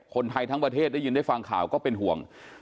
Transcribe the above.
คนไทยทั้งประเทศได้ยินได้ฟังข่าวก็เป็นห่วง